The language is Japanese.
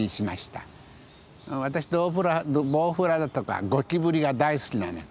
私孑孑だとかゴキブリが大好きなの。